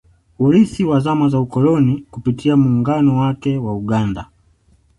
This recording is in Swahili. Urithi wa zama za ukoloni Kupitia muungano wake wa Uganda